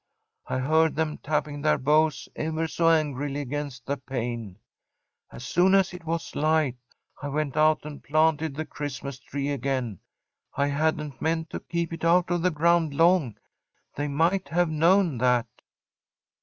I heard them tapping their boughs ever so angrily against the pane. As soon as it was light, I went out and planted the Christmas tree again. I hadn't meant to keep it out of the ground long: they might have known that.'